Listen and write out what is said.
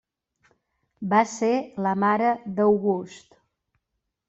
Va ser la mare d'August.